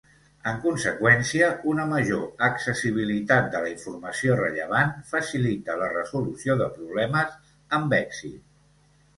En conseqüència, una major accessibilitat de la informació rellevant facilita la resolució de problemes amb èxit.